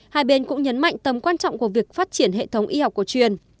hai bên cũng nhấn mạnh tầm quan trọng của việc phát triển hệ thống y học cổ truyền